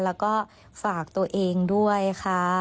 แล้วก็ฝากตัวเองด้วยค่ะ